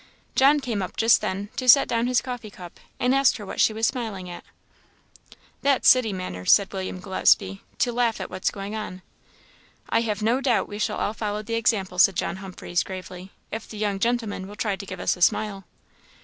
John came up just then to set down his coffee cup, and asked her what she was smiling at. "That's city manners," said William Gillespie, "to laugh at what's going on." "I have no doubt we shall all follow the example," said John Humphreys, gravely, "if the young gentleman will try to give us a smile."